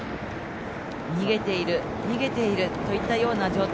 逃げている、逃げているといった状態。